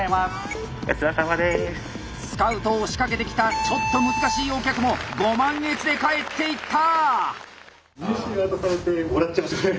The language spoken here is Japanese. スカウトを仕掛けてきたちょっと難しいお客もご満悦で帰っていった！